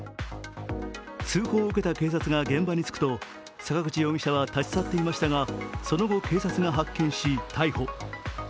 通報を受けた警察が現場に着くと、坂口容疑者は立ち去っていましたがその後、警察が発見し逮捕。